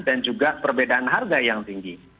dan juga perbedaan harga yang tinggi